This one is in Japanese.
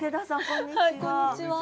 こんにちは。